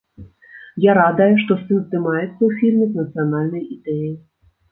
Я радая, што сын здымаецца ў фільме з нацыянальнай ідэяй.